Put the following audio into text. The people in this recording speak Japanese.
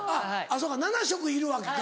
そうか７色いるわけか。